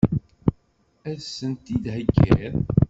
Ad sen-t-id-theggiḍ?